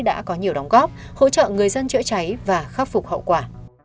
đã có nhiều đóng góp hỗ trợ người dân chữa cháy và khắc phục hậu quả